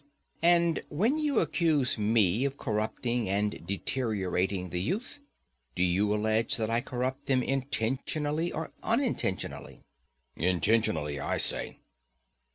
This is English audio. And when you accuse me of corrupting and deteriorating the youth, do you allege that I corrupt them intentionally or unintentionally? Intentionally, I say.